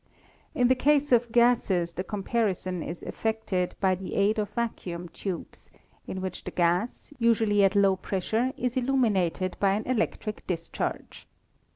In the case of gases, the comparison is effected by the aid of vacuum tubes, in which the gas, usually at low pressure, is illuminated by an electric discharge.